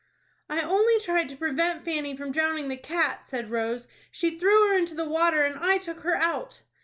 "I only tried to prevent Fanny from drowning the cat," said Rose. "She threw her into the water, and I took her out."